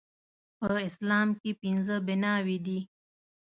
په اسلام کې پنځه بناوې دي